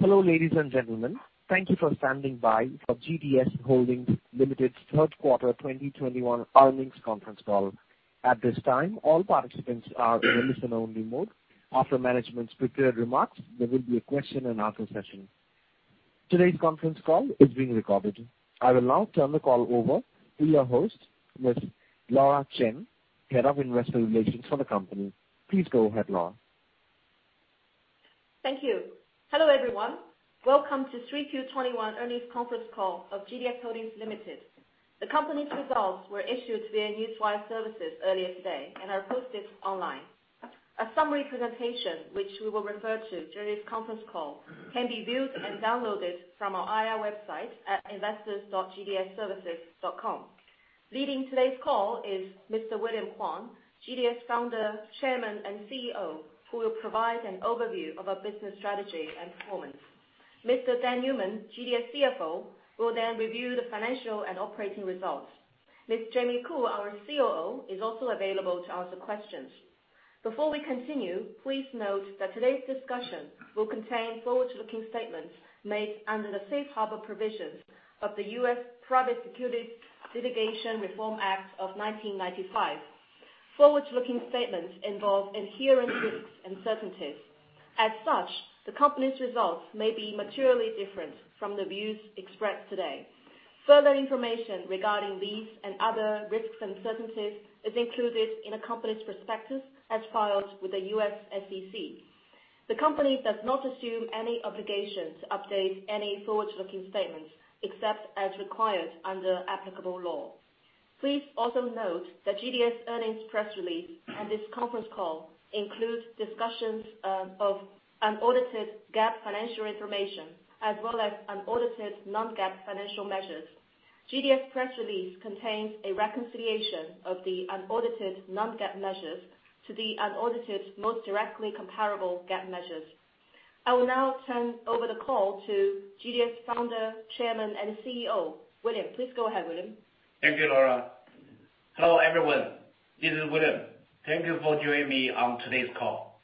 Hello, ladies and gentlemen. Thank you for standing by for GDS Holdings Limited Third Quarter 2021 earnings conference call. At this time, all participants are in listen-only mode. After management's prepared remarks, there will be a question-and-answer session. Today's conference call is being recorded. I will now turn the call over to your host, Ms. Laura Chen, Head of Investor Relations for the company. Please go ahead, Laura. Thank you. Hello, everyone. Welcome to Q3 2021 earnings conference call of GDS Holdings Limited. The company's results were issued via Newswire services earlier today and are posted online. A summary presentation, which we will refer to during this conference call, can be viewed and downloaded from our IR website at investors.gdsservices.com. Leading today's call is Mr. William Huang, GDS Founder, Chairman, and CEO, who will provide an overview of our business strategy and performance. Mr. Dan Newman, GDS CFO, will then review the financial and operating results. Ms. Jamie Khoo, our COO, is also available to answer questions. Before we continue, please note that today's discussion will contain forward-looking statements made under the Safe Harbor provisions of the U.S. Private Securities Litigation Reform Act of 1995. Forward-looking statements involve inherent risks and uncertainties. As such, the company's results may be materially different from the views expressed today. Further information regarding these and other risks and uncertainties is included in the company's prospectus as filed with the U.S. SEC. The company does not assume any obligation to update any forward-looking statements, except as required under applicable law. Please also note that GDS earnings press release and this conference call includes discussions of unaudited GAAP financial information, as well as unaudited non-GAAP financial measures. GDS press release contains a reconciliation of the unaudited non-GAAP measures to the unaudited most directly comparable GAAP measures. I will now turn over the call to GDS Founder, Chairman, and CEO William. Please go ahead, William. Thank you, Laura. Hello, everyone. This is William. Thank you for joining me on today's call.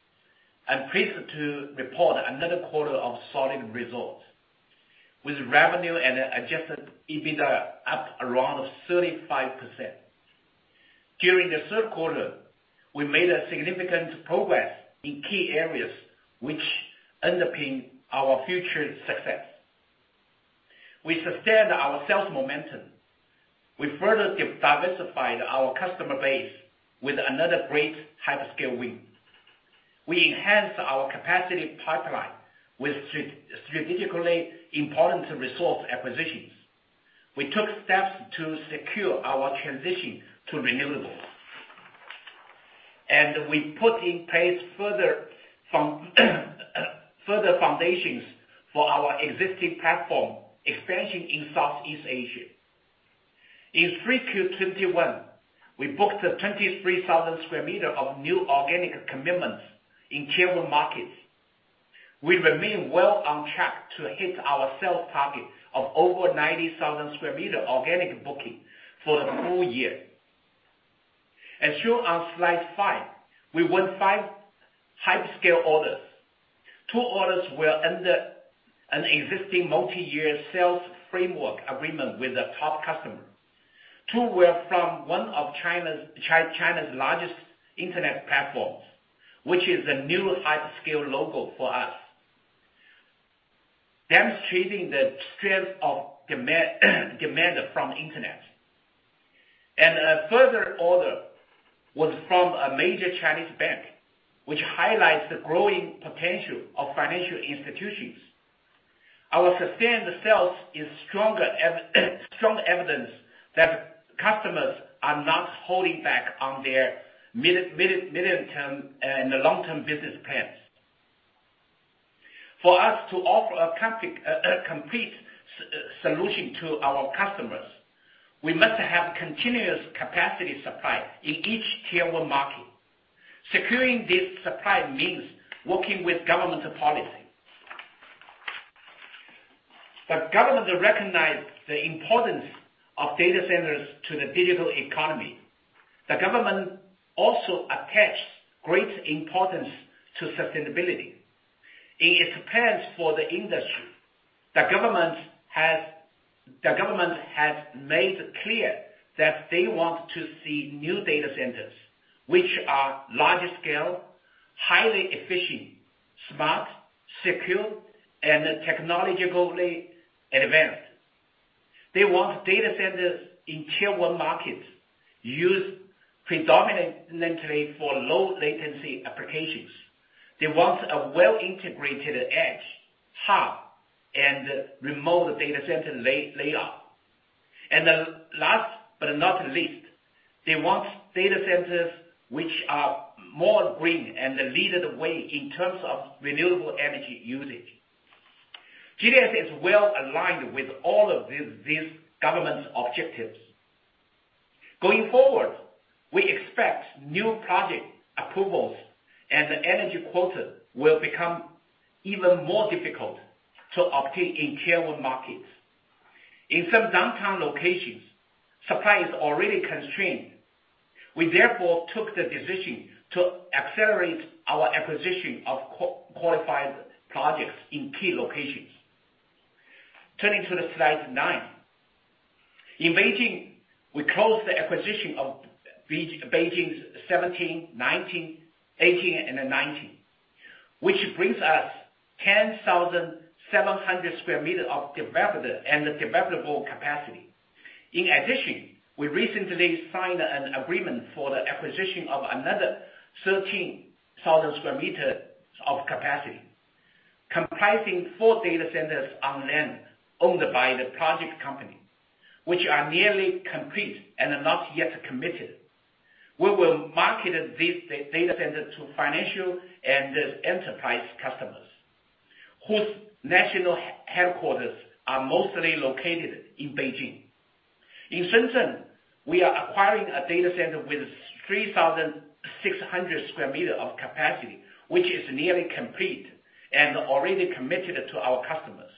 I'm pleased to report another quarter of solid results, with revenue and adjusted EBITDA up around 35%. During the third quarter, we made significant progress in key areas which underpin our future success. We sustained our sales momentum. We further diversified our customer base with another great hyperscale win. We enhanced our capacity pipeline with strategically important resource acquisitions. We took steps to secure our transition to renewables. We put in place further foundations for our existing platform expansion in Southeast Asia. In 3Q 2021, we booked 23,000 sq m of new organic commitments in Tier 1 markets. We remain well on track to hit our sales target of over 90,000 sq m organic booking for the full year. As shown on Slide five, we won five hyperscale orders. Two orders were under an existing multi-year sales framework agreement with a top customer. Two were from one of China's largest internet platforms, which is a new hyperscale logo for us, demonstrating the strength of demand from internet. A further order was from a major Chinese bank, which highlights the growing potential of financial institutions. Our sustained sales is strong evidence that customers are not holding back on their medium-term and long-term business plans. For us to offer a complete solution to our customers, we must have continuous capacity supply in each Tier 1 market. Securing this supply means working with government policy. The government recognize the importance of data centers to the digital economy. The government also attach great importance to sustainability. In its plans for the industry, the government has made clear that they want to see new data centers, which are large scale, highly efficient, smart, secure, and technologically advanced. They want data centers in Tier 1 markets used predominantly for low latency applications. They want a well-integrated edge, hub, and remote data center layer. Last but not least, they want data centers which are more green and lead the way in terms of renewable energy usage. GDS is well aligned with all of these government's objectives. Going forward, we expect new project approvals and energy quota will become even more difficult to obtain in Tier 1 markets. In some downtown locations, supply is already constrained. We therefore took the decision to accelerate our acquisition of qualified projects in key locations. Turning to Slide nine. In Beijing, we closed the acquisition of Beijing's 17, 18, and 19, which brings us 10,700 sq m of developed and developable capacity. In addition, we recently signed an agreement for the acquisition of another 13,000 sq m of capacity, comprising four data centers on land owned by the project company, which are nearly complete and are not yet committed. We will market these data centers to financial and enterprise customers whose national headquarters are mostly located in Beijing. In Shenzhen, we are acquiring a data center with 3,600 sq m of capacity, which is nearly complete and already committed to our customers.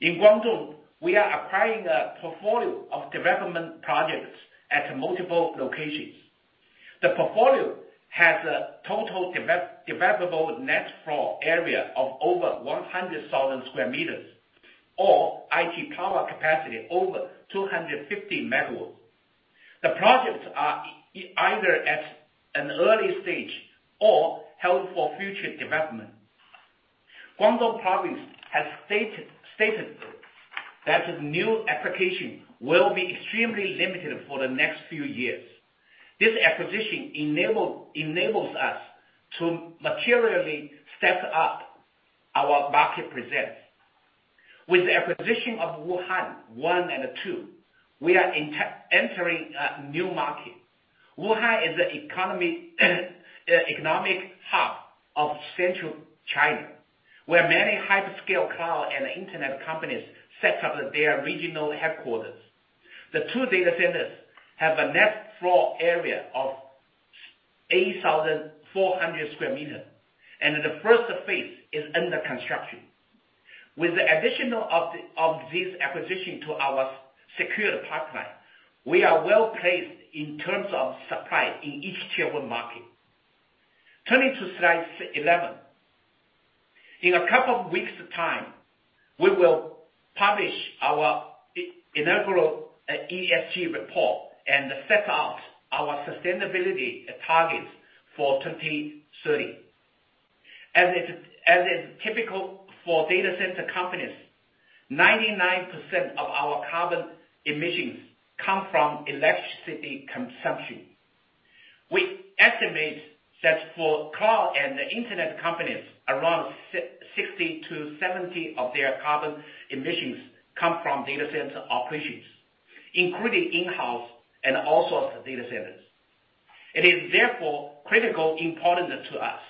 In Guangdong, we are acquiring a portfolio of development projects at multiple locations. The portfolio has a total developable net floor area of over 100,000 sq m, or IT power capacity over 250 MW. The projects are either at an early stage or held for future development. Guangdong Province has stated that new application will be extremely limited for the next few years. This acquisition enables us to materially step up our market presence. With the acquisition of Wuhan 1 and 2, we are entering a new market. Wuhan is an economic hub of central China, where many hyperscale cloud and internet companies set up their regional headquarters. The two data centers have a net floor area of 8,400 sq m, and the first phase is under construction. With the addition of this acquisition to our secured pipeline, we are well-placed in terms of supply in each Tier 1 market. Turning to Slide 11. In a couple of weeks time, we will publish our inaugural ESG report and set out our sustainability targets for 2030. As is typical for data center companies, 99% of our carbon emissions come from electricity consumption. We estimate that for cloud and internet companies, around 60%-70% of their carbon emissions come from data center operations, including in-house and all sorts of data centers. It is therefore critically important to us,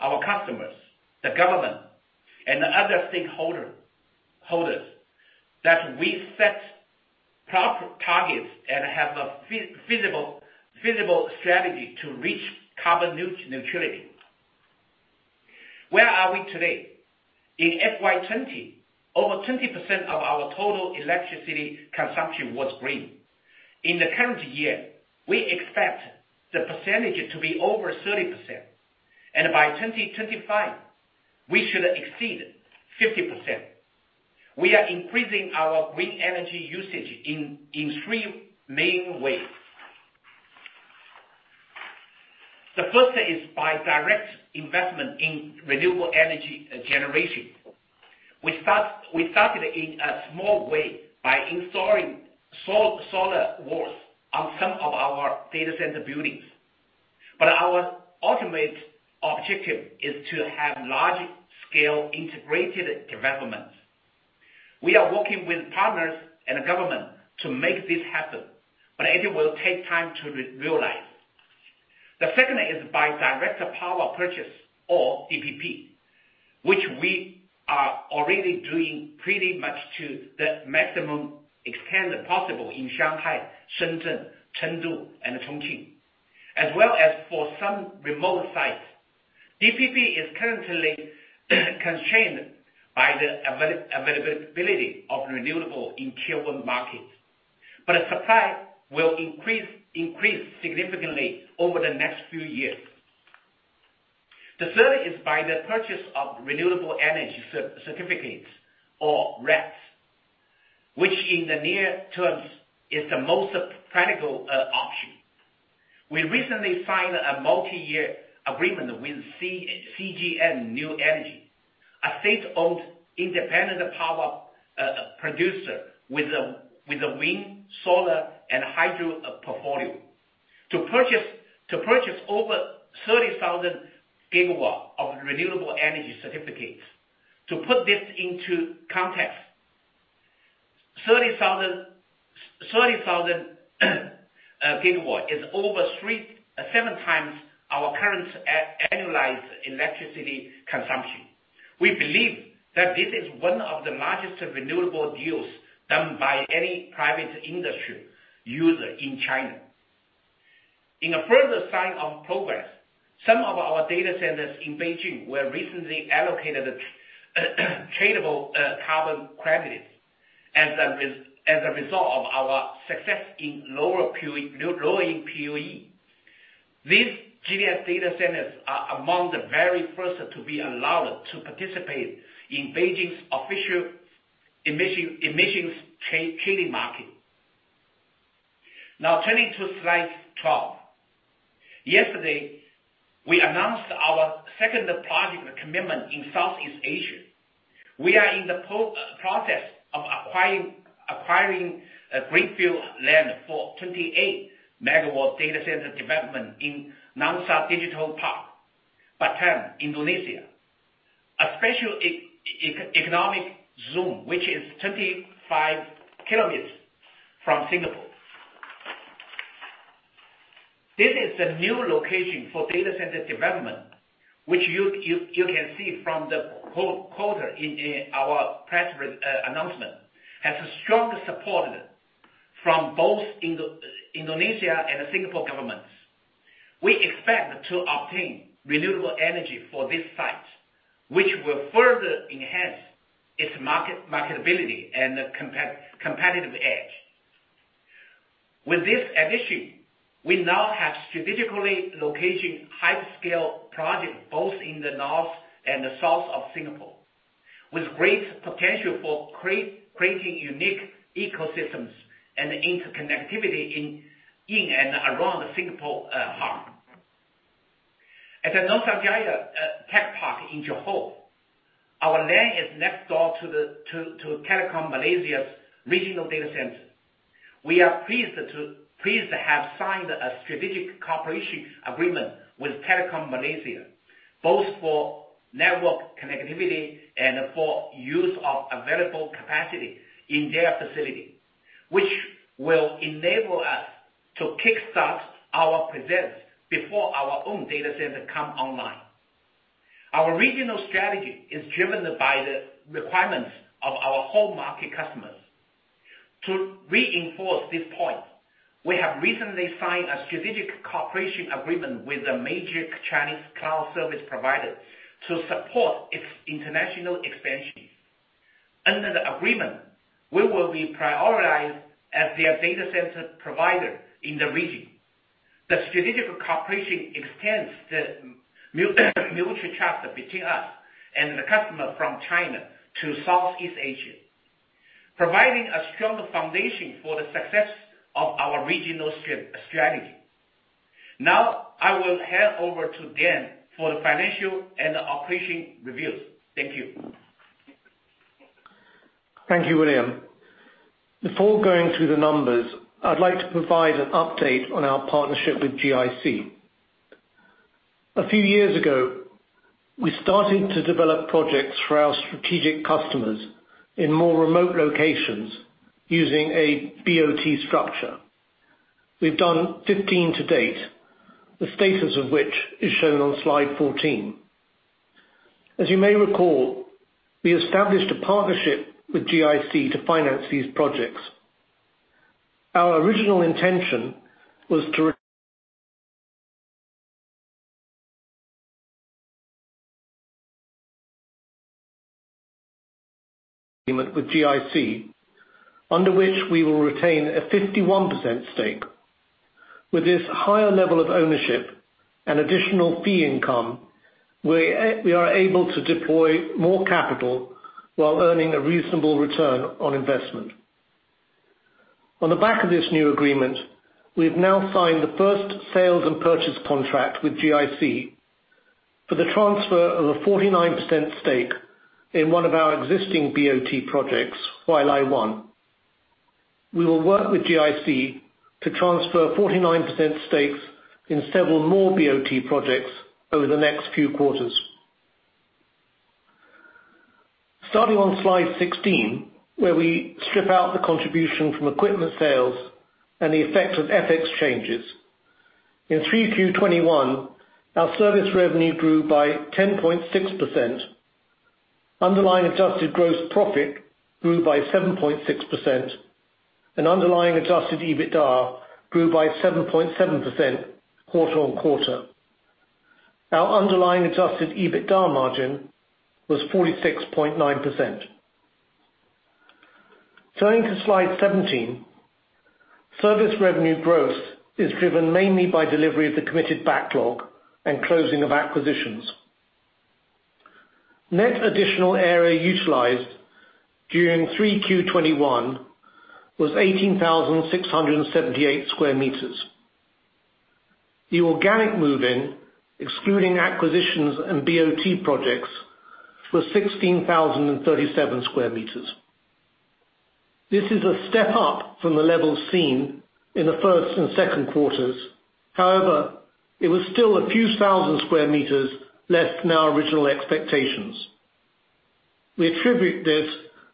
our customers, the government, and other stakeholders that we set proper targets and have a feasible strategy to reach carbon neutrality. Where are we today? In FY 2020, over 20% of our total electricity consumption was green. In the current year, we expect the percentage to be over 30%, and by 2025, we should exceed 50%. We are increasing our green energy usage in three main ways. The first is by direct investment in renewable energy generation. We started in a small way by installing solar walls on some of our data center buildings. Our ultimate objective is to have large-scale integrated development. We are working with partners and the government to make this happen, but it will take time to realize. The second is by direct power purchase or DPP, which we are already doing pretty much to the maximum extent possible in Shanghai, Shenzhen, Chengdu, and Chongqing, as well as for some remote sites. DPP is currently constrained by the availability of renewable in Tier one markets, but supply will increase significantly over the next few years. The third is by the purchase of renewable energy certificates or RECs, which in the near term is the most practical option. We recently signed a multi-year agreement with CGN New Energy, a state-owned independent power producer with a wind, solar, and hydro portfolio to purchase over 30,000 GW of renewable energy certificates. To put this into context, 30,000 GW is over 3.7 times our current annualized electricity consumption. We believe that this is one of the largest renewable deals done by any private industry user in China. In a further sign of progress, some of our data centers in Beijing were recently allocated tradable carbon credits as a result of our success in lowering PUE. These GDS data centers are among the very first to be allowed to participate in Beijing's official emissions trading market. Now turning to Slide 12. Yesterday, we announced our second project commitment in Southeast Asia. We are in the process of acquiring a greenfield land for 28 MW data center development in Nongsa Digital Park, Batam, Indonesia. A special economic zone which is 35 km from Singapore. This is the new location for data center development, which you can see from the quote in our press announcement, has strong support from both Indonesia and Singapore governments. We expect to obtain renewable energy for this site, which will further enhance its marketability and competitive edge. With this addition, we now have strategically located large scale project both in the north and the south of Singapore, with great potential for creating unique ecosystems and interconnectivity in and around Singapore hub. At the Nusajaya Tech Park in Johor, our land is next door to Telekom Malaysia's regional data center. We are pleased to have signed a strategic cooperation agreement with Telekom Malaysia, both for network connectivity and for use of available capacity in their facility, which will enable us to kick-start our presence before our own data center come online. Our regional strategy is driven by the requirements of our home market customers. To reinforce this point, we have recently signed a strategic cooperation agreement with a major Chinese cloud service provider to support its international expansion. Under the agreement, we will be prioritized as their data center provider in the region. The strategic cooperation extends the mutual trust between us and the customer from China to Southeast Asia, providing a strong foundation for the success of our regional strategy. Now I will hand over to Dan for the financial and operating reviews. Thank you. Thank you, William. Before going through the numbers, I'd like to provide an update on our partnership with GIC. A few years ago, we started to develop projects for our strategic customers in more remote locations using a BOT structure. We've done 15 to date, the status of which is shown onSlide 14. As you may recall, we established a partnership with GIC to finance these projects. Our original intention was with GIC, under which we will retain a 51% stake. With this higher level of ownership and additional fee income, we are able to deploy more capital while earning a reasonable return on investment. On the back of this new agreement, we've now signed the first sales and purchase contract with GIC for the transfer of a 49% stake in one of our existing BOT projects, Huilai 1. We will work with GIC to transfer 49% stakes in several more BOT projects over the next few quarters. Starting on Slide 16, where we strip out the contribution from equipment sales and the effect of FX changes. In 3Q 2021, our service revenue grew by 10.6%. Underlying adjusted gross profit grew by 7.6%, and underlying adjusted EBITDA grew by 7.7% quarter-on-quarter. Our underlying adjusted EBITDA margin was 46.9%. Turning to slide 17. Service revenue growth is driven mainly by delivery of the committed backlog and closing of acquisitions. Net additional area utilized during 3Q 2021 was 18,678 sq m. The organic move-in, excluding acquisitions and BOT projects, was 16,037 sq m. This is a step up from the levels seen in the first and second quarters. However, it was still a few thousand sq m less than our original expectations. We attribute this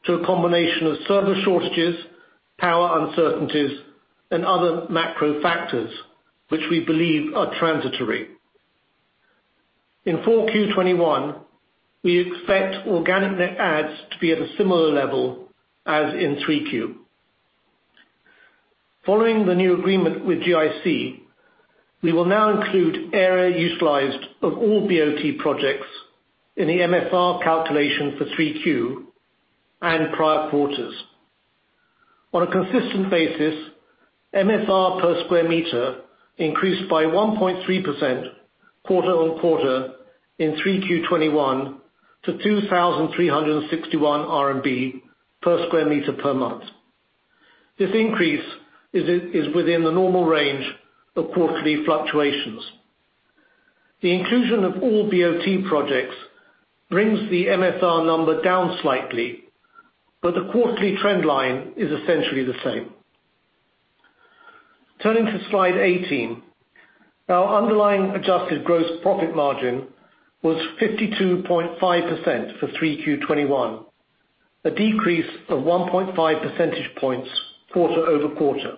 to a combination of server shortages, power uncertainties, and other macro factors which we believe are transitory. In 4Q 2021, we expect organic net adds to be at a similar level as in 3Q. Following the new agreement with GIC, we will now include area utilized of all BOT projects in the MFR calculation for 3Q and prior quarters. On a consistent basis, MFR per sq m increased by 1.3% quarter-over-quarter in 3Q 2021 to 2,361 RMB per sq m per month. This increase is within the normal range of quarterly fluctuations. The inclusion of all BOT projects brings the MFR number down slightly, but the quarterly trend line is essentially the same. Turning to Slide 18, our underlying adjusted gross profit margin was 52.5% for 3Q 2021, a decrease of 1.5 percentage points quarter-over-quarter.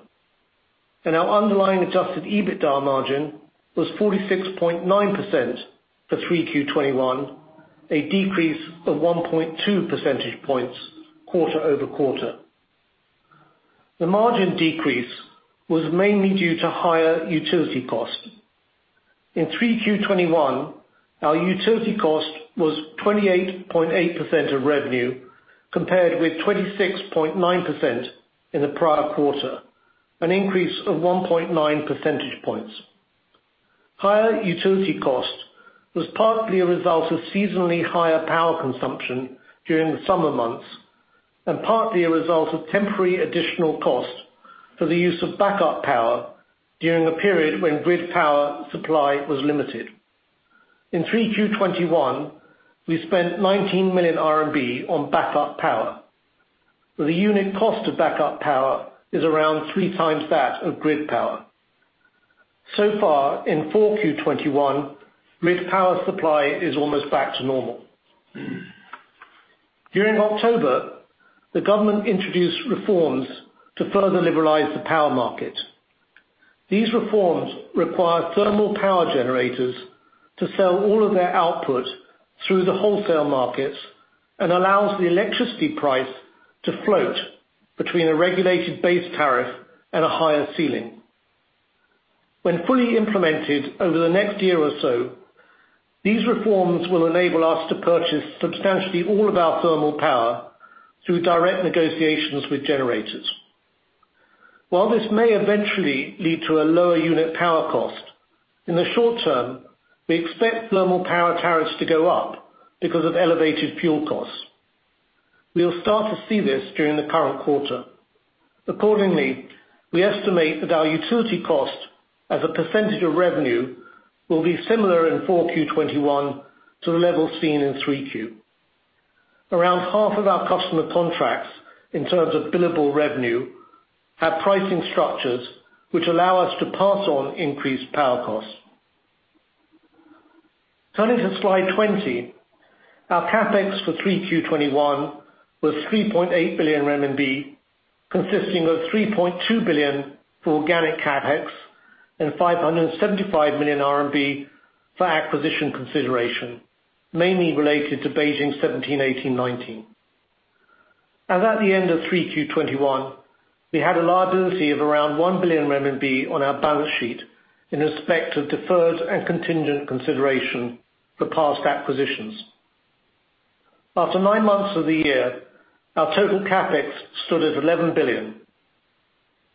Our underlying adjusted EBITDA margin was 46.9% for 3Q 2021, a decrease of 1.2 percentage points quarter-over-quarter. The margin decrease was mainly due to higher utility costs. In 3Q 2021, our utility cost was 28.8% of revenue, compared with 26.9% in the prior quarter, an increase of 1.9 percentage points. Higher utility cost was partly a result of seasonally higher power consumption during the summer months, and partly a result of temporary additional costs for the use of backup power during a period when grid power supply was limited. In 3Q 2021, we spent 19 million RMB on backup power, where the unit cost of backup power is around three times that of grid power. Far, in 4Q 2021, grid power supply is almost back to normal. During October, the government introduced reforms to further liberalize the power market. These reforms require thermal power generators to sell all of their output through the wholesale markets and allows the electricity price to float between a regulated base tariff and a higher ceiling. When fully implemented over the next year or so, these reforms will enable us to purchase substantially all of our thermal power through direct negotiations with generators. While this may eventually lead to a lower unit power cost, in the short term, we expect thermal power tariffs to go up because of elevated fuel costs. We'll start to see this during the current quarter. Accordingly, we estimate that our utility cost as a percentage of revenue will be similar in 4Q 2021 to the level seen in 3Q. Around half of our customer contracts in terms of billable revenue have pricing structures which allow us to pass on increased power costs. Turning to Slide 20, our CapEx for 3Q 2021 was 3.8 billion RMB, consisting of 3.2 billion for organic CapEx and 575 million RMB for acquisition consideration, mainly related to Beijing 17, 18, 19. As at the end of 3Q 2021, we had a liability of around 1 billion RMB on our balance sheet in respect of deferred and contingent consideration for past acquisitions. After nine months of the year, our total CapEx stood at 11 billion,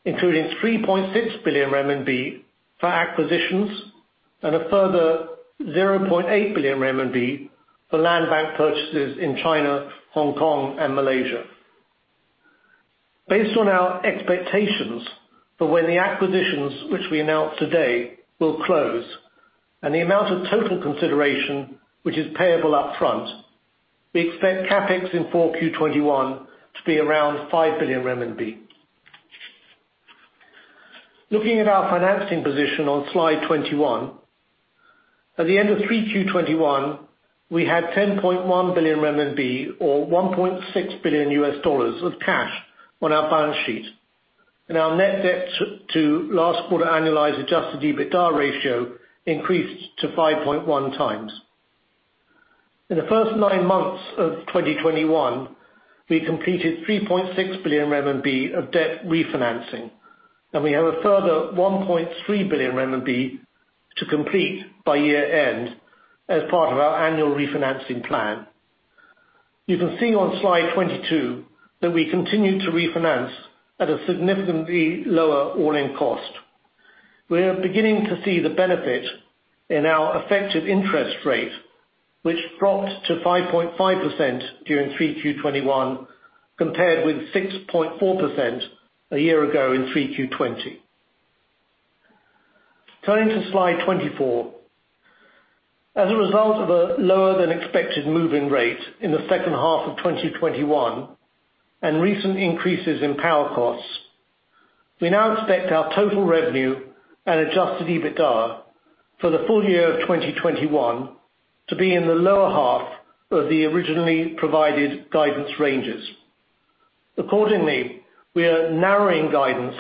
including 3.6 billion RMB for acquisitions and a further 0.8 billion RMB for landbank purchases in China, Hong Kong, and Malaysia. Based on our expectations for when the acquisitions which we announced today will close and the amount of total consideration which is payable up front, we expect CapEx in 4Q 2021 to be around 5 billion renminbi. Looking at our financing position on Slide 21, at the end of 3Q 2021, we had 10.1 billion renminbi or $1.6 billion of cash on our balance sheet, and our net debt to last quarter annualized adjusted EBITDA ratio increased to 5.1 times. In the first nine months of 2021, we completed 3.6 billion RMB of debt refinancing, and we have a further 1.3 billion RMB to complete by year-end as part of our annual refinancing plan. You can see on slide 22 that we continue to refinance at a significantly lower all-in cost. We are beginning to see the benefit in our effective interest rate, which dropped to 5.5% during 3Q 2021, compared with 6.4% a year ago in 3Q 2020. Turning to Slide 24, as a result of a lower than expected move-in rate in the second half of 2021 and recent increases in power costs, we now expect our total revenue and adjusted EBITDA for the full year of 2021 to be in the lower half of the originally provided guidance ranges. Accordingly, we are narrowing guidance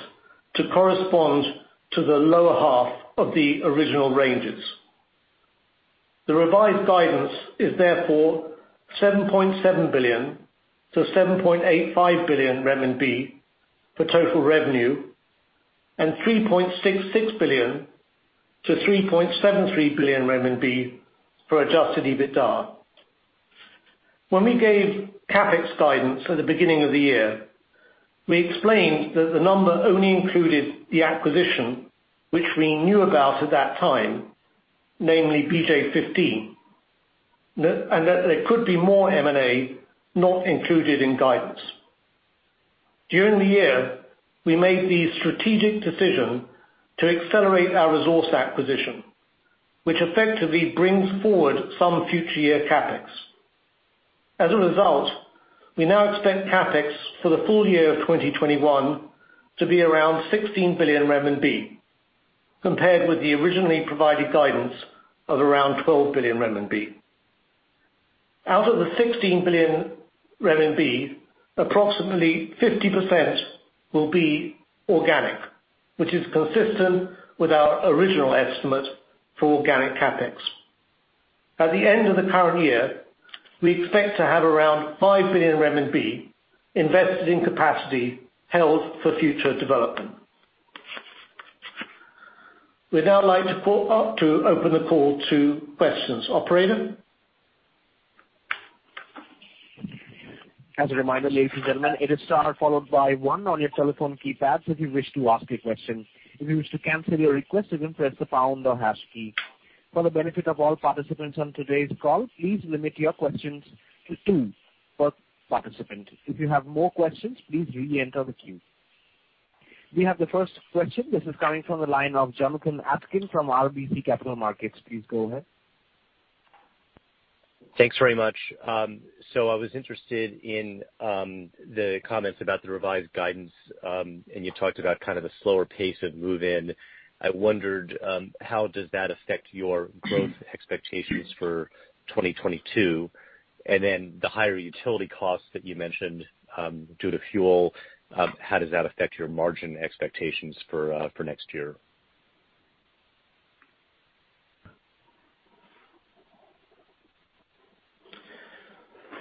to correspond to the lower half of the original ranges. The revised guidance is therefore 7.7 billion to 7.85 billion RMB for total revenue and 3.66 billion to 3.73 billion RMB for adjusted EBITDA. When we gave CapEx guidance at the beginning of the year, we explained that the number only included the acquisition which we knew about at that time, namely BJ 15 and that there could be more M&A not included in guidance. During the year, we made the strategic decision to accelerate our resource acquisition, which effectively brings forward some future year CapEx. As a result, we now expect CapEx for the full year of 2021 to be around 16 billion RMB, compared with the originally provided guidance of around 12 billion RMB. Out of the 16 billion RMB, approximately 50% will be organic, which is consistent with our original estimate for organic CapEx. At the end of the current year, we expect to have around 5 billion RMB invested in capacity held for future development. We'd now like to pull up to open the call to questions. Operator? As a reminder, ladies and gentlemen, hit star followed by one on your telephone keypads if you wish to ask a question. If you wish to cancel your request, you can press the pound or hash key. For the benefit of all participants on today's call, please limit your questions to two per participant. If you have more questions, please re-enter the queue. We have the first question. This is coming from the line of Jonathan Atkin from RBC Capital Markets. Please go ahead. Thanks very much. So I was interested in the comments about the revised guidance, and you talked about kind of a slower pace of move-in. I wondered how does that affect your growth expectations for 2022? And then the higher utility costs that you mentioned due to fuel, how does that affect your margin expectations for next year?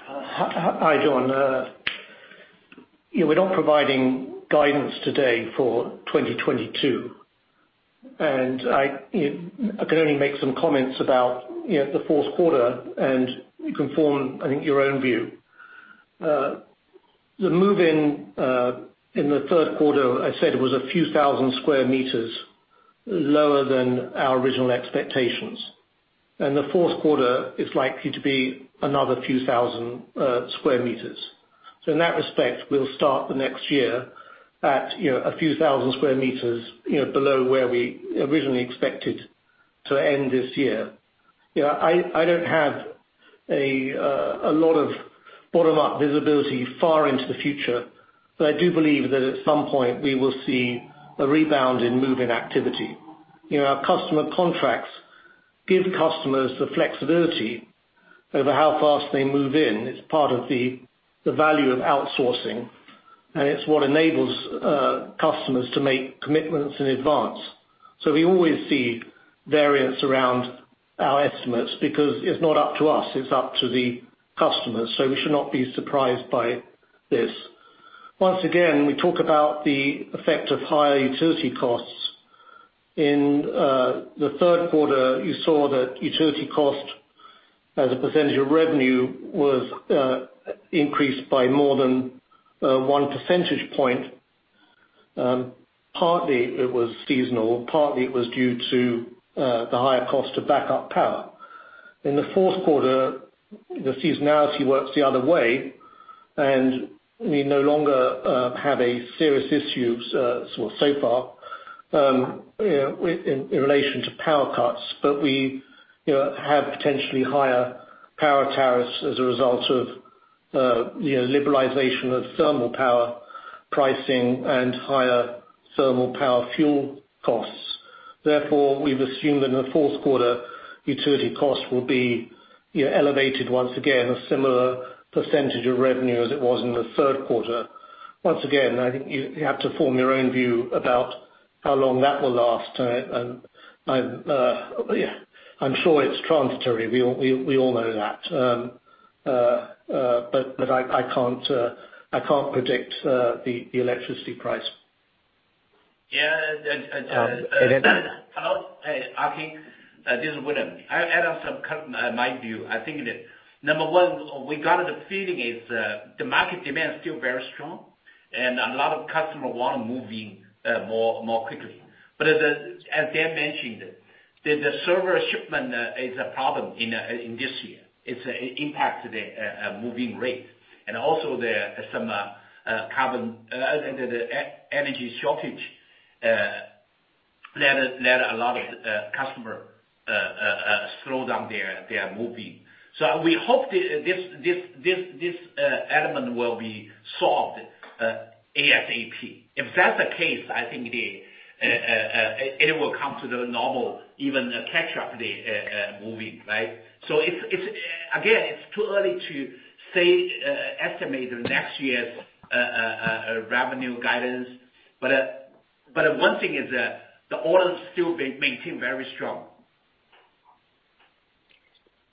Hi, Jon. We're not providing guidance today for 2022, and I, you know, I can only make some comments about, you know, the fourth quarter and you can form, I think, your own view. The move-in in the third quarter, I said, was a few thousand sq m lower than our original expectations. The fourth quarter is likely to be another few thousand sq m. In that respect, we'll start the next year at, you know, a few thousand sq m, you know, below where we originally expected to end this year. You know, I don't have a lot of bottom-up visibility far into the future, but I do believe that at some point we will see a rebound in move-in activity. You know, our customer contracts give customers the flexibility over how fast they move in. It's part of the value of outsourcing, and it's what enables customers to make commitments in advance. We always see variance around our estimates because it's not up to us, it's up to the customers. We should not be surprised by this. Once again, we talk about the effect of higher utility costs. In the third quarter, you saw that utility cost as a percentage of revenue was increased by more than 1 percentage point. Partly it was seasonal, partly it was due to the higher cost of backup power. In the fourth quarter, the seasonality works the other way, and we no longer have a serious issue, so far, you know, in relation to power cuts. We, you know, have potentially higher power tariffs as a result of, you know, liberalization of thermal power pricing and higher thermal power fuel costs. Therefore, we've assumed that in the fourth quarter, utility costs will be, you know, elevated once again, a similar percentage of revenue as it was in the third quarter. Once again, I think you have to form your own view about how long that will last. I'm sure it's transitory. We all know that. I can't predict the electricity price. Hello, Atkin. This is William. I'll add on my view. I think that number one, we got the feeling is the market demand is still very strong and a lot of customer want to move in more quickly. As Dan mentioned, the server shipment is a problem in this year. It's impacted the move-in rate and also some carbon and the energy shortage that a lot of customer slow down their move-in. We hope this element will be solved ASAP. If that's the case, I think it will come to the normal, even a catch-up rate moving, right? Again, it's too early to say estimate the next year's revenue guidance. One thing is that the orders still being maintained very strong.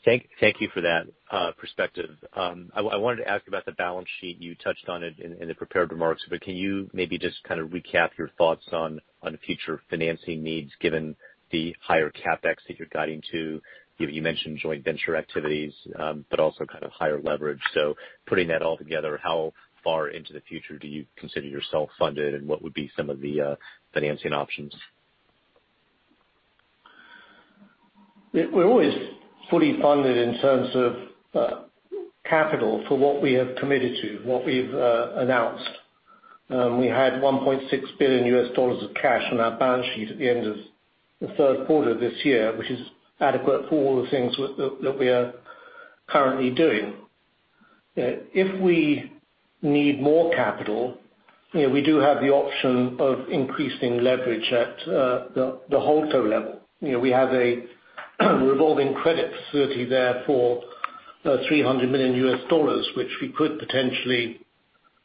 Thank you for that perspective. I wanted to ask about the balance sheet. You touched on it in the prepared remarks, but can you maybe just kind of recap your thoughts on future financing needs given the higher CapEx that you're guiding to? You mentioned joint venture activities, but also kind of higher leverage. Putting that all together, how far into the future do you consider yourself funded, and what would be some of the financing options? We're always fully funded in terms of capital for what we have committed to, what we've announced. We had $1.6 billion of cash on our balance sheet at the end of the third quarter this year, which is adequate for all the things that we are currently doing. If we need more capital, you know, we do have the option of increasing leverage at the HoldCo level. You know, we have a revolving credit facility there for $300 million, which we could potentially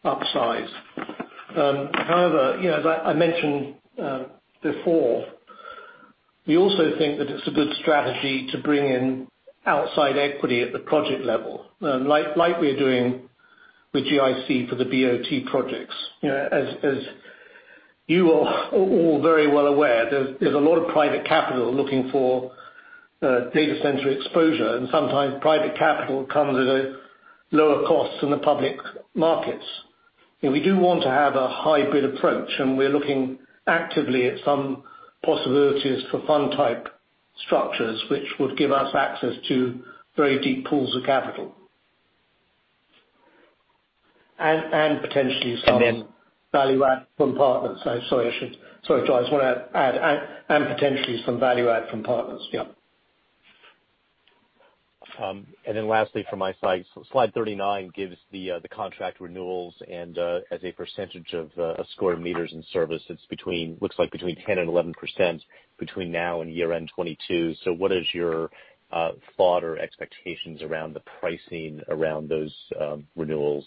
upsize. However, you know, as I mentioned before, we also think that it's a good strategy to bring in outside equity at the project level, like we're doing with GIC for the BOT projects. You know, as you are all very well aware, there's a lot of private capital looking for data center exposure, and sometimes private capital comes at a lower cost than the public markets. We do want to have a hybrid approach, and we're looking actively at some possibilities for fund type structures, which would give us access to very deep pools of capital, potentially some value add from partners. Sorry, John, I just wanna add potentially some value add from partners. Lastly from my side, Slide 39 gives the contract renewals and as a percentage of square meters in service. It's between 10% and 11% between now and year-end 2022. What is your thought or expectations around the pricing around those renewals?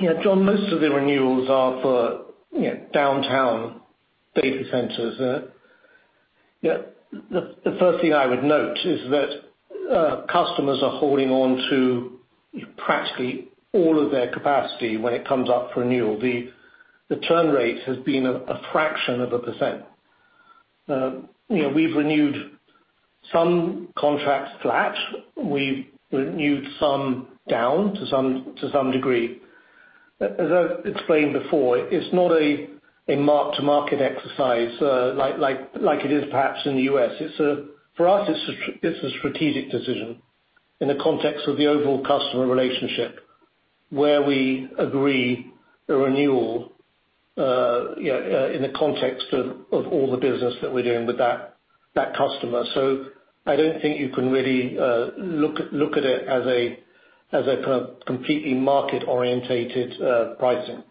Jonathan, most of the renewals are for, you know, downtown data centers. You know, the first thing I would note is that customers are holding on to practically all of their capacity when it comes up for renewal. The churn rate has been a fraction of a percent. You know, we've renewed some contracts flat. We've renewed some down to some degree. As I've explained before, it's not a mark to market exercise, like it is perhaps in the U.S. It's a strategic decision in the context of the overall customer relationship where we agree a renewal, you know, in the context of all the business that we're doing with that customer. I don't think you can really look at it as a kind of completely market-oriented pricing.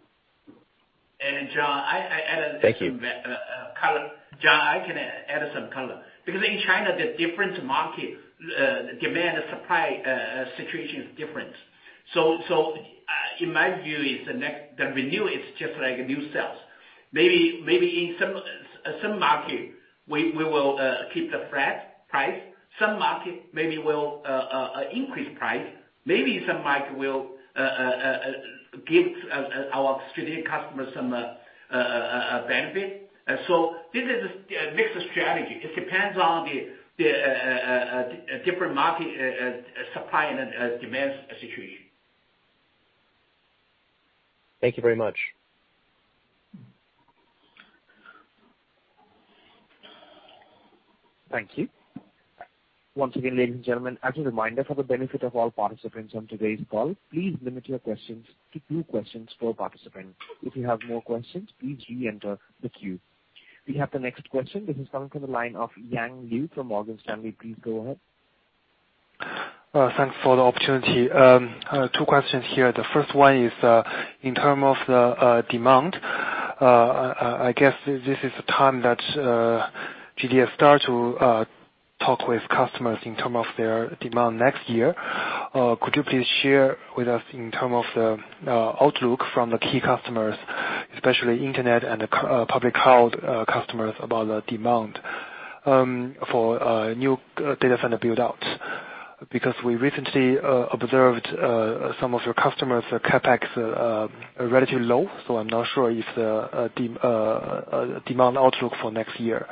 John, I add a little bit, color. Thank you. John, I can add some color. Because in China, the different market demand and supply situation is different. In my view, the renewal is just like new sales. Maybe in some market, we will keep the flat price. Some market, maybe we'll increase price. Maybe some market will give our strategic customers some benefit. This is a mixed strategy. It depends on the different market supply and demand situation. Thank you very much. Thank you. Once again, ladies and gentlemen, as a reminder, for the benefit of all participants on today's call, please limit your questions to two questions per participant. If you have more questions, please re-enter the queue. We have the next question. This is coming from the line of Yang Liu from Morgan Stanley. Please go ahead. Thanks for the opportunity. Two questions here. The first one is, in terms of the demand, I guess this is the time that GDS start to talk with customers in terms of their demand next year. Could you please share with us in terms of the outlook from the key customers, especially internet and the public cloud customers about the demand for new data center build out? Because we recently observed some of your customers, their CapEx are relatively low, so I'm not sure if the demand outlook for next year.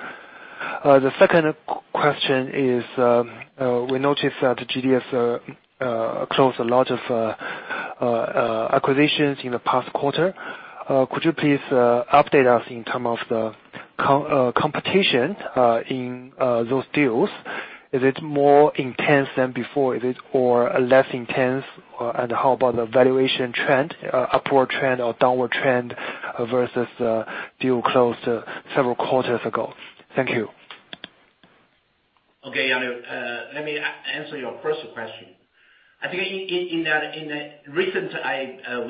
The second question is, we noticed that GDS closed a lot of acquisitions in the past quarter. Could you please update us in terms of the competition in those deals? Is it more intense than before? Is it more or less intense? How about the valuation trend, upward trend or downward trend versus deal closed several quarters ago? Thank you. Okay, Yang, let me answer your first question. I think in that recent I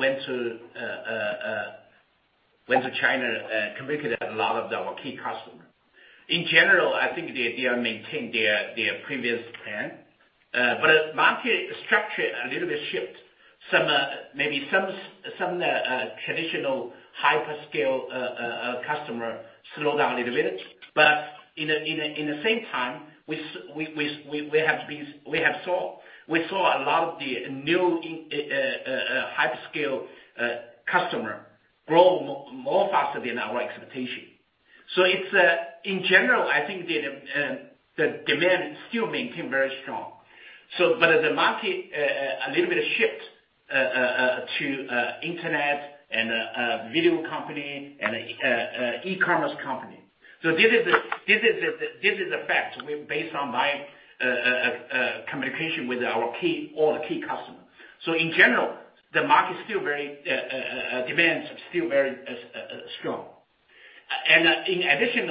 went to China communicated a lot of our key customers. In general, I think they maintain their previous plan. But market structure a little bit shift. Some maybe some traditional hyperscale customer slow down a little bit. But in the same time, we saw a lot of the new hyperscale customer grow more faster than our expectation. So it's in general, I think the demand still maintain very strong. The market a little bit of shift to internet and video company and e-commerce company. This is the fact based on my communication with our key customers. In general, the market is still very strong, and demand still very strong. In addition,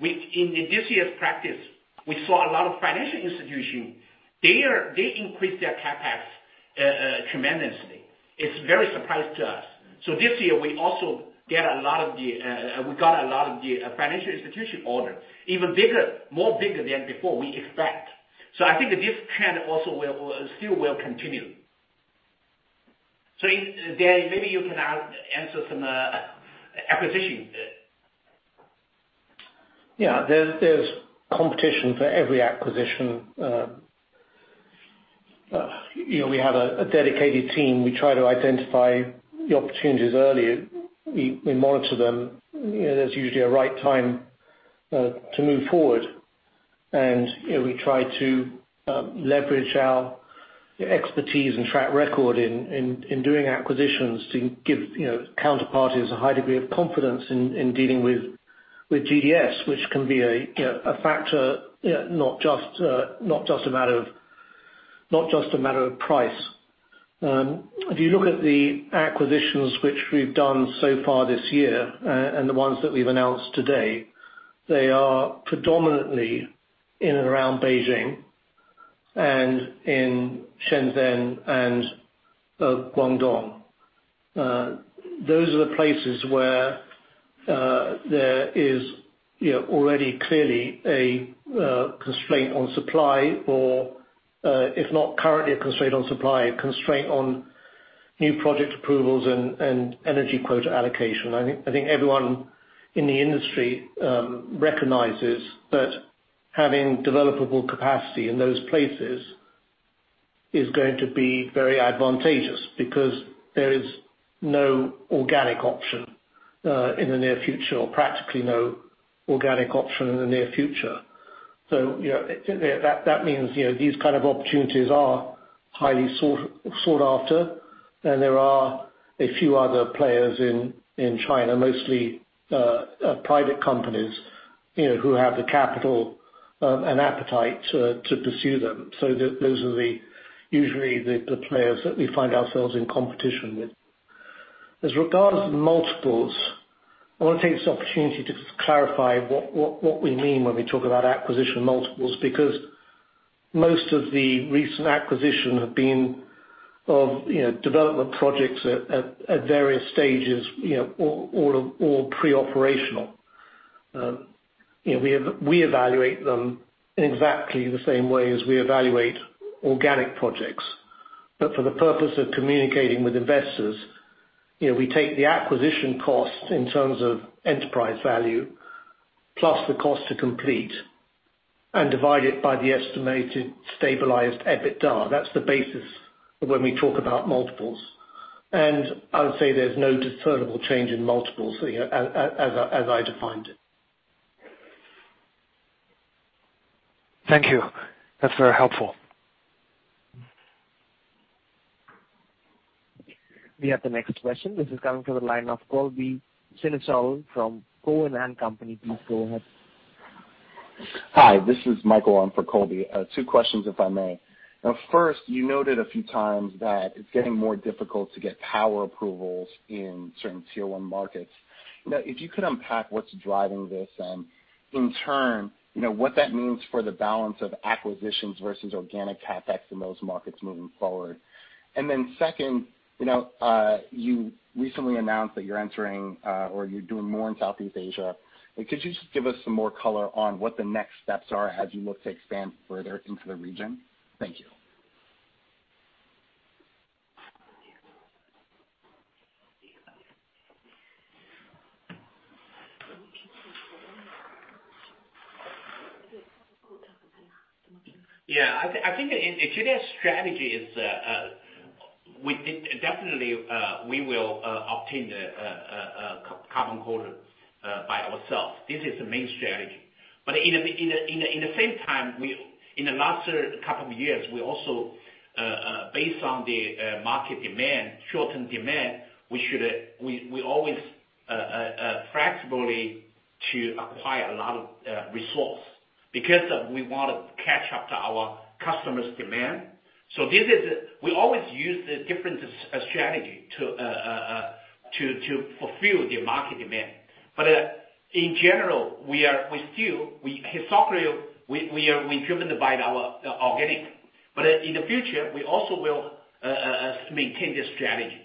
in this year's practice, we saw a lot of financial institution. They increased their CapEx tremendously. It's very surprised to us. This year we also got a lot of the financial institution order, even bigger than before we expect. I think this trend also will still continue. Dan, maybe you can answer some acquisition. There's competition for every acquisition. You know, we have a dedicated team. We try to identify the opportunities earlier. We monitor them. You know, there's usually a right time to move forward. You know, we try to leverage our expertise and track record in doing acquisitions to give you know, counterparties a high degree of confidence in dealing with GDS, which can be a factor, you know, not just a matter of price. If you look at the acquisitions which we've done so far this year and the ones that we've announced today, they are predominantly in and around Beijing and in Shenzhen and Guangdong. Those are the places where, you know, there is already clearly a constraint on supply or, if not currently a constraint on supply, a constraint on new project approvals and energy quota allocation. I think everyone in the industry recognizes that having developable capacity in those places is going to be very advantageous because there is no organic option in the near future, or practically no organic option in the near future. You know, that means these kind of opportunities are highly sought after. There are a few other players in China, mostly private companies, you know, who have the capital and appetite to pursue them. Those are usually the players that we find ourselves in competition with. As regards to multiples, I want to take this opportunity to clarify what we mean when we talk about acquisition multiples, because most of the recent acquisition have been of, you know, development projects at various stages, you know, all pre-operational. You know, we evaluate them in exactly the same way as we evaluate organic projects. For the purpose of communicating with investors, you know, we take the acquisition cost in terms of enterprise value, plus the cost to complete and divide it by the estimated stabilized EBITDA. That's the basis when we talk about multiples. I would say there's no discernible change in multiples, you know, as I defined it. Thank you. That's very helpful. We have the next question. This is coming from the line of Colby Synesael from Cowen and Company. Please go ahead. Hi, this is Michael on for Colby. Two questions, if I may. Now first, you noted a few times that it's getting more difficult to get power approvals in certain tier one markets. You know, if you could unpack what's driving this, in turn, you know, what that means for the balance of acquisitions versus organic CapEx in those markets moving forward. Second, you know, you recently announced that you're entering, or you're doing more in Southeast Asia. Could you just give us some more color on what the next steps are as you look to expand further into the region? Thank you. I think GDS strategy is we definitely will obtain the carbon quota by ourselves. This is the main strategy. At the same time, in the last couple of years, we also based on the market demand, short-term demand, we always flexibly to acquire a lot of resource because we want to capture our customers' demand. We always use the different strategy to fulfill the market demand. In general, we are still historically driven by our organic. In the future, we also will maintain this strategy.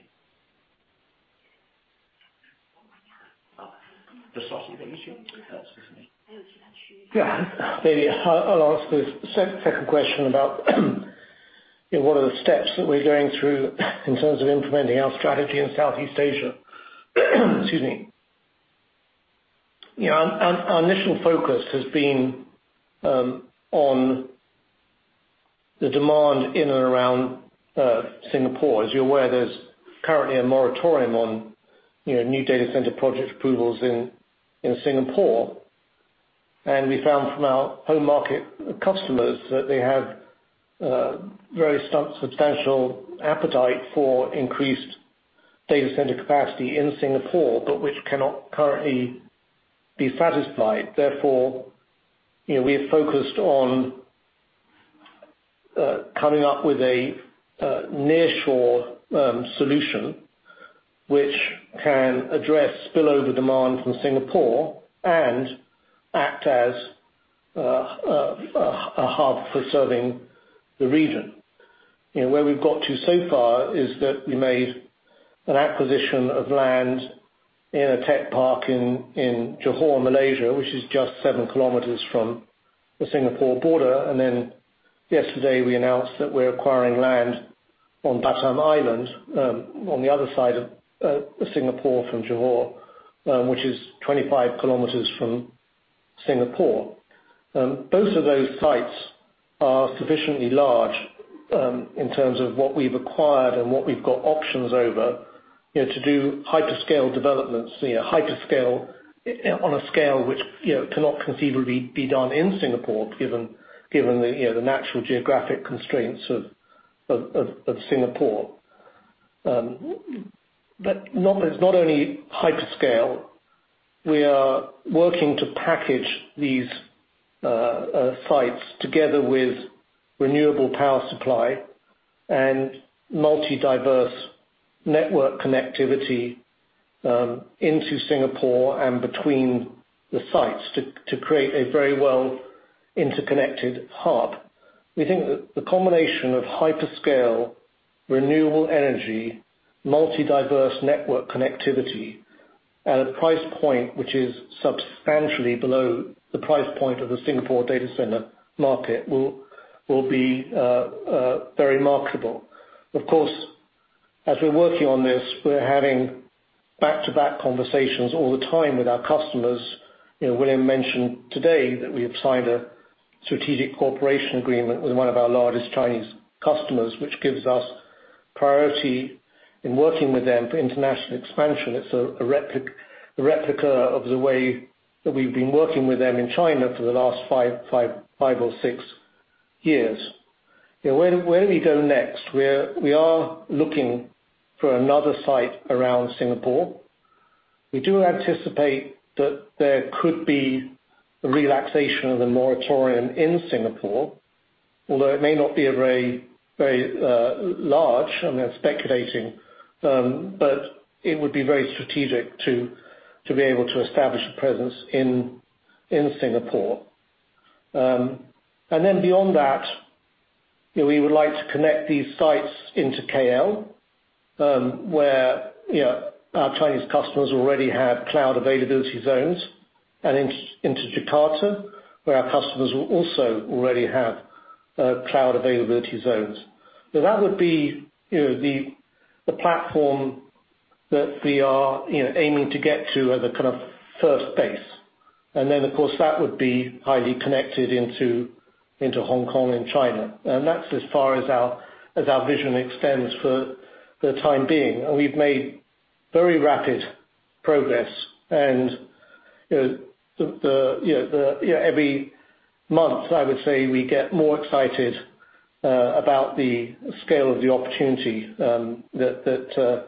Maybe I'll ask this second question about what are the steps that we're going through in terms of implementing our strategy in Southeast Asia? Excuse me. You know, our initial focus has been on the demand in and around Singapore. As you're aware, there's currently a moratorium on new data center project approvals in Singapore. We found from our home market customers that they have very substantial appetite for increased data center capacity in Singapore, but which cannot currently be satisfied. Therefore, you know, we are focused on coming up with a near shore solution which can address spillover demand from Singapore and act as a hub for serving the region. You know, where we've got to so far is that we made an acquisition of land in a tech park in Johor, Malaysia, which is just 7 km from the Singapore border. Yesterday, we announced that we're acquiring land on Batam Island, on the other side of Singapore from Johor, which is 25 km from Singapore. Both of those sites are sufficiently large, in terms of what we've acquired and what we've got options over, you know, to do hyperscale developments, you know, hyperscale on a scale which, you know, cannot conceivably be done in Singapore, given the natural geographic constraints of Singapore. But it's not only hyperscale. We are working to package these sites together with renewable power supply and multi diverse network connectivity into Singapore and between the sites to create a very well interconnected hub. We think that the combination of hyperscale, renewable energy, multi diverse network connectivity at a price point which is substantially below the price point of the Singapore data center market will be very marketable. Of course, as we're working on this, we're having back-to-back conversations all the time with our customers. You know, William mentioned today that we have signed a strategic cooperation agreement with one of our largest Chinese customers, which gives us priority in working with them for international expansion. It's a replica of the way that we've been working with them in China for the last five or six years. You know, where we go next, we are looking for another site around Singapore. We do anticipate that there could be a relaxation of the moratorium in Singapore, although it may not be a very large. I'm speculating, but it would be very strategic to be able to establish a presence in Singapore. Then beyond that, you know, we would like to connect these sites into KL, where, you know, our Chinese customers already have cloud availability zones, and into Jakarta, where our customers also already have cloud availability zones. That would be, you know, the platform that we are, you know, aiming to get to at the kind of first base. Then, of course, that would be highly connected into Hong Kong and China. That's as far as our vision extends for the time being. We've made very rapid progress. You know, every month, I would say, we get more excited about the scale of the opportunity that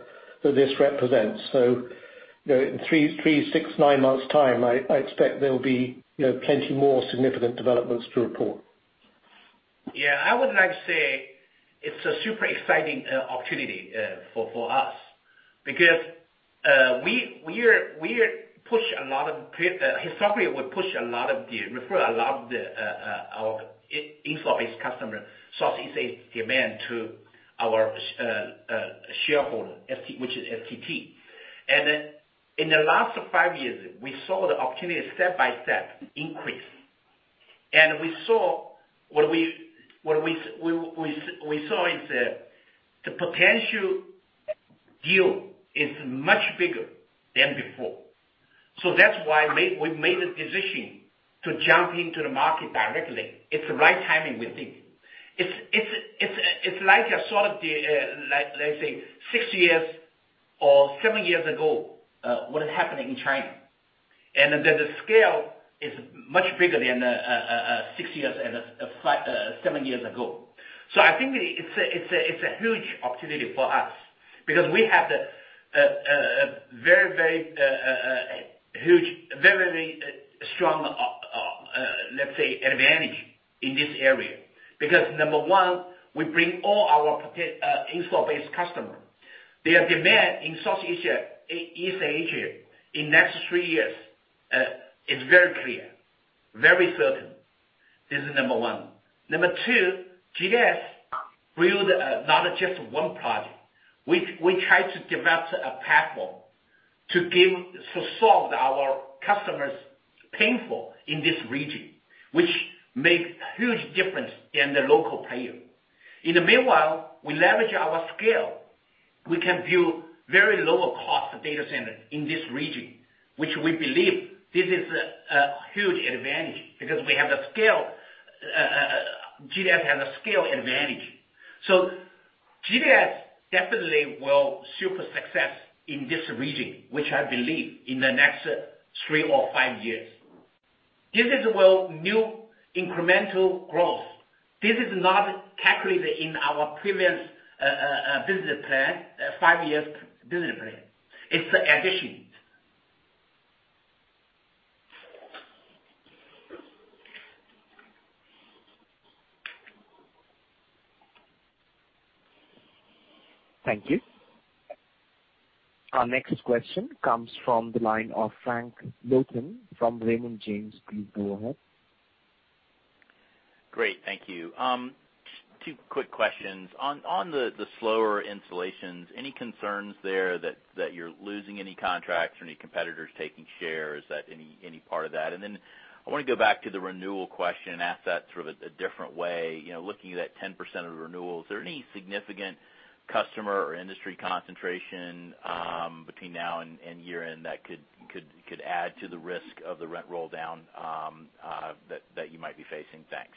this represents. You know, in three, six, nine months' time, I expect there'll be, you know, plenty more significant developments to report. I would like to say it's a super exciting opportunity for us because historically we refer a lot of our infra-based customer, so to say, demand to our shareholder STT. In the last five years, we saw the opportunity step by step increase. What we saw is the potential deal is much bigger than before. That's why we made a decision to jump into the market directly. It's the right timing, we think. It's like, sort of, let's say six years or seven years ago what is happening in China. The scale is much bigger than six years and seven years ago. I think it's a huge opportunity for us because we have the very very huge very very strong, let's say, advantage in this area. Because number one, we bring all our potential installed-base customer. Their demand in South Asia, East Asia in next three years is very clear, very certain. This is number one. Number two, GDS builds not just one project. We try to develop a platform to solve our customers' pain points in this region, which make huge difference in the local player. In the meanwhile, we leverage our scale. We can build very low cost data centers in this region, which we believe is a huge advantage because we have the scale, GDS has a scale advantage. GDS definitely will have super success in this region, which I believe in the next three or five years. This is where new incremental growth. This is not calculated in our previous five-year business plan. It's an addition. Thank you. Our next question comes from the line of Frank Louthan from Raymond James. Please go ahead. Great, thank you. Two quick questions. On the slower installations, any concerns there that you're losing any contracts or any competitors taking shares at any part of that? I wanna go back to the renewal question and ask that through a different way. You know, looking at that 10% of renewals, are there any significant customer or industry concentration between now and year-end that could add to the risk of the rent roll down that you might be facing? Thanks.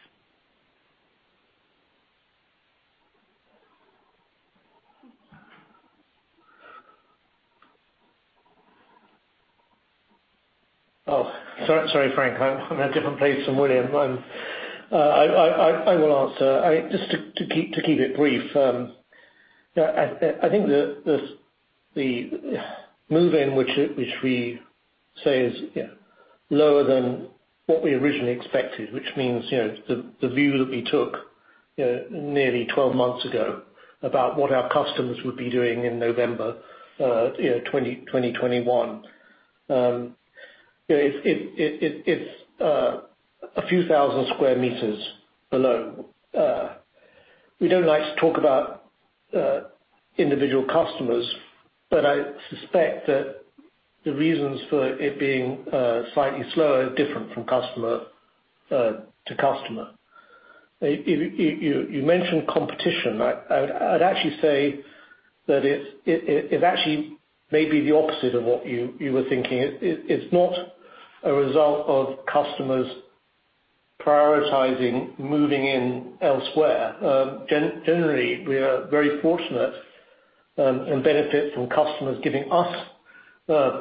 Sorry, Frank. I'm a different place from William. I will answer. Just to keep it brief, yeah, I think the move-in which we say is lower than what we originally expected, which means, you know, the view that we took, you know, nearly 12 months ago about what our customers would be doing in November, you know, 2021. You know, it's a few thousand sq m below. We don't like to talk about individual customers, but I suspect that the reasons for it being slightly slower are different from customer to customer. You mentioned competition. I would actually say that it actually may be the opposite of what you were thinking. It's not a result of customers prioritizing moving in elsewhere. Generally, we are very fortunate and benefit from customers giving us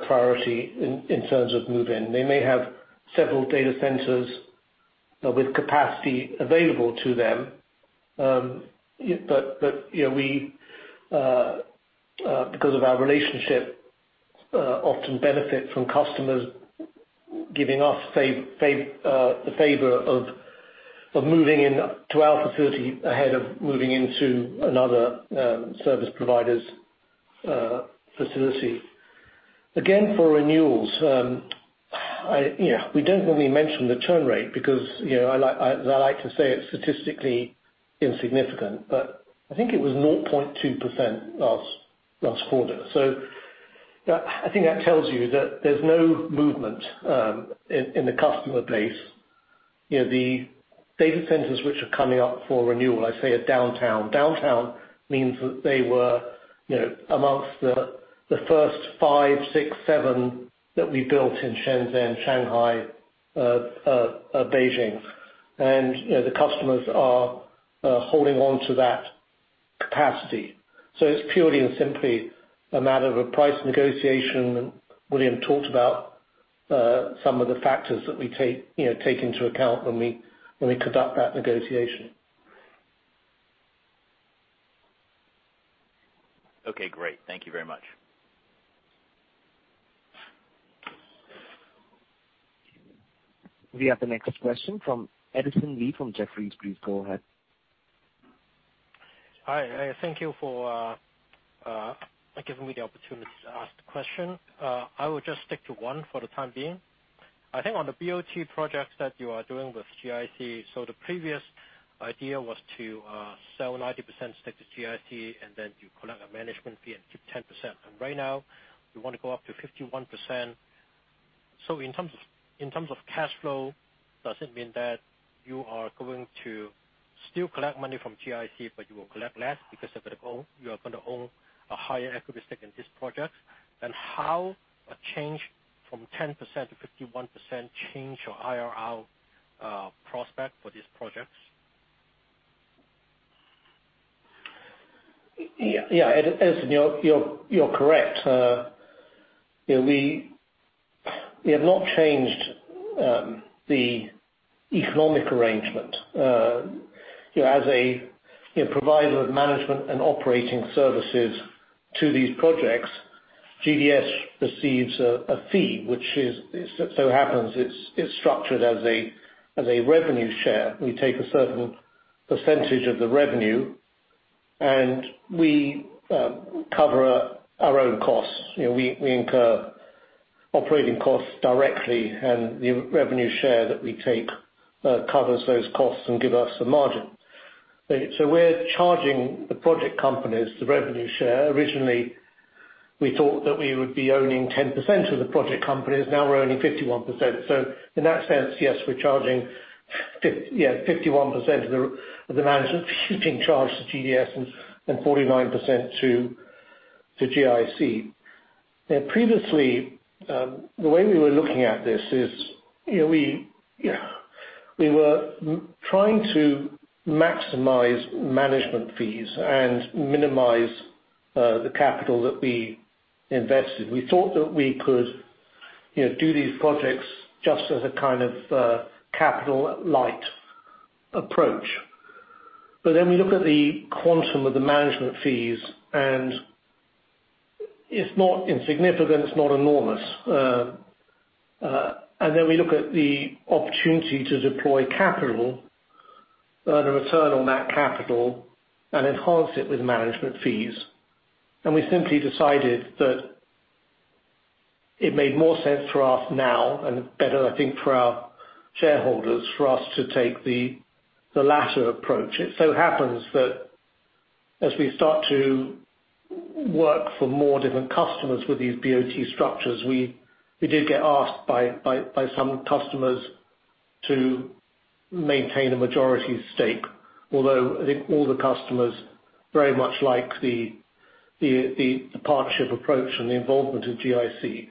priority in terms of move-in. They may have several data centers with capacity available to them, but you know, because of our relationship, we often benefit from customers giving us the favor of moving in to our facility ahead of moving into another service provider's facility. Again, for renewals, you know, we don't normally mention the churn rate because you know, I like to say it's statistically insignificant, but I think it was 0.2% last quarter. I think that tells you that there's no movement in the customer base. You know, the data centers which are coming up for renewal, I say are downtown. Downtown means that they were, you know, amongst the first five, six, seven that we built in Shenzhen, Shanghai, Beijing. You know, the customers are holding on to that capacity. It's purely and simply a matter of a price negotiation, and William talked about some of the factors that we take into account when we conduct that negotiation. Okay, great. Thank you very much. We have the next question from Edison Lee, from Jefferies. Please go ahead. Hi. Thank you for giving me the opportunity to ask the question. I will just stick to one for the time being. I think on the BOT projects that you are doing with GIC, the previous idea was to sell 90% stake to GIC, and then you collect a management fee and keep 10%. Right now, you want to go up to 51%. In terms of cash flow, does it mean that you are going to still collect money from GIC, but you will collect less because you are gonna own a higher equity stake in this project? How a change from 10% to 51% change your IRR prospect for these projects? Edison, you're correct. You know, we have not changed the economic arrangement. You know, as a provider of management and operating services to these projects, GDS receives a fee which is, it so happens it's structured as a revenue share. We take a certain percentage of the revenue, and we cover our own costs. You know, we incur operating costs directly, and the revenue share that we take covers those costs and give us the margin. So we're charging the project companies the revenue share. Originally, we thought that we would be owning 10% of the project companies. Now we're owning 51%. So in that sense, yes, we're charging 51% of the management fees being charged to GDS and 49% to GIC. Now previously, the way we were looking at this is, you know, we were trying to maximize management fees and minimize the capital that we invested. We thought that we could, you know, do these projects just as a kind of capital light approach. We look at the quantum of the management fees, and it's not insignificant, it's not enormous. And then we look at the opportunity to deploy capital, earn a return on that capital, and enhance it with management fees. We simply decided that it made more sense for us now and better, I think, for our shareholders for us to take the latter approach. It so happens that as we start to work for more different customers with these BOT structures, we did get asked by some customers to maintain a majority stake. Although I think all the customers very much like the partnership approach and the involvement of GIC.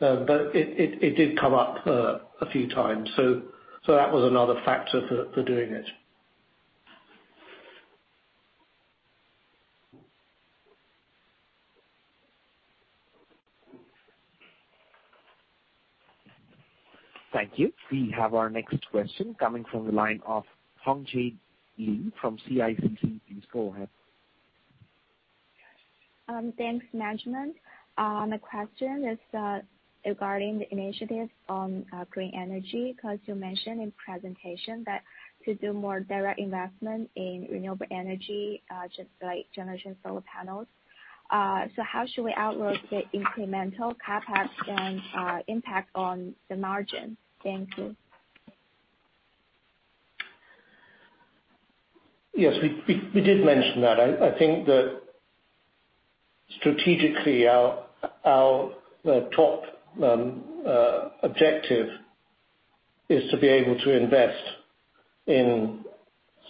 It did come up a few times, so that was another factor for doing it. Thank you. We have our next question coming from the line of Hongjie Li from CICC. Please go ahead. Thanks management. My question is regarding the initiatives on green energy, because you mentioned in presentation that to do more direct investment in renewable energy, just like generation solar panels. How should we outlook the incremental CapEx and impact on the margin? Thank you. Yes, we did mention that. I think that strategically our top objective is to be able to invest in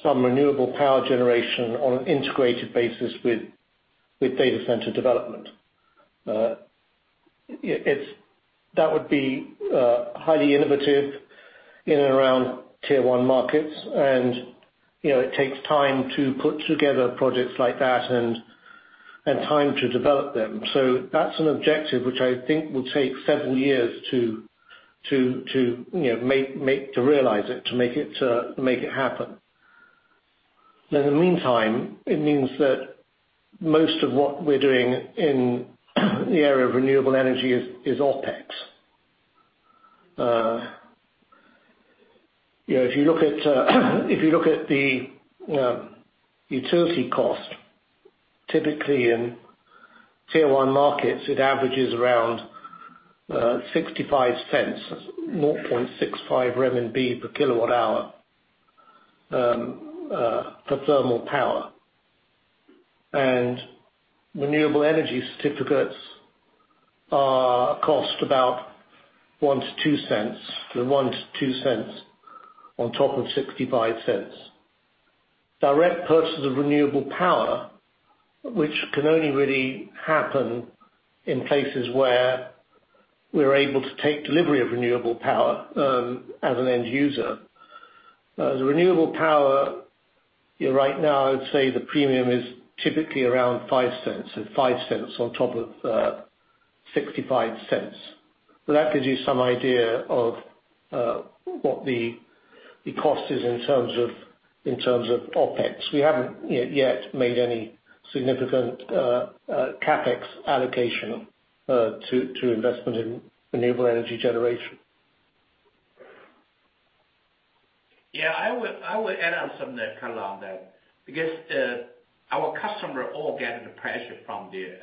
some renewable power generation on an integrated basis with data center development. That would be highly innovative in and around tier one markets and, you know, it takes time to put together projects like that and time to develop them. That's an objective which I think will take several years to you know to realize it, to make it happen. In the meantime, it means that most of what we're doing in the area of renewable energy is OpEx. You know, if you look at the utility cost, typically in tier one markets, it averages around 0.65 RMB per kWh for thermal power. Renewable energy certificates cost about 0.01 to 0.02 RMB on top of 0.65 RMB. Direct purchase of renewable power, which can only really happen in places where we are able to take delivery of renewable power as an end user. As a renewable power, you know, right now I would say the premium is typically around 0.05 RMB. 0.05 on top of 0.65 RMB. That gives you some idea of what the cost is in terms of OpEx. We haven't yet made any significant CapEx allocation to investment in renewable energy generation. I will add on something color on that because our customers are all getting the pressure from the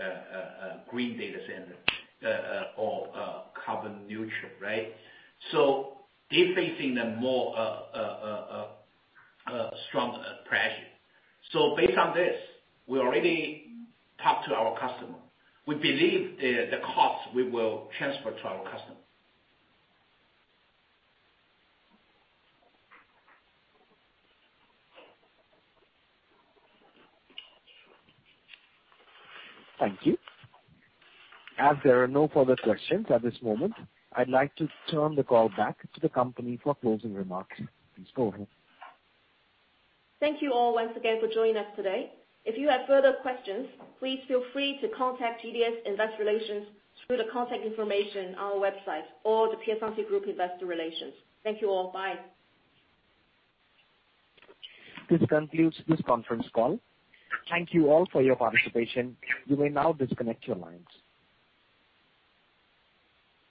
green data center or carbon neutral, right? They're facing more and more strong pressure. Based on this, we already talked to our customers. We believe the cost we will transfer to our customers. Thank you. As there are no further questions at this moment, I'd like to turn the call back to the company for closing remarks. Please go ahead. Thank you all once again for joining us today. If you have further questions, please feel free to contact GDS Investor Relations through the contact information on our website or The Piacente Group Investor Relations. Thank you all. Bye. This concludes this conference call. Thank you all for your participation. You may now disconnect your lines.